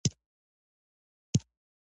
قاعده د ژبي کارول آسانه کوي.